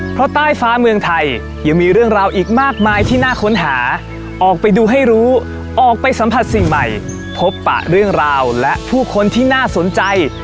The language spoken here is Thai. เพราะใต้ฟ้าเมืองไทยยังมีเรื่องราวอีกมากมายที่น่าค้นหาออกไปดูให้รู้ออกไปสัมผัสสิ่งใหม่พบปะเรื่องราวและผู้คนที่น่าสนใจ